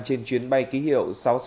trên chuyến bay ký hiệu sáu trăm sáu mươi